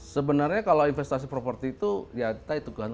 sebenarnya kalau investasi properti itu ya kita itu kan